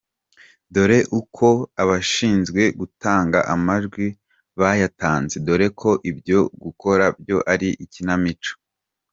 Dore uko abashinzwe gutanga amajwi bayatanze dore ko ibyo gutora byo ari ikinamico: